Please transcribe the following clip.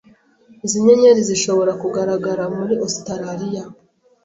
Izi nyenyeri zishobora kugaragara muri Ositaraliya?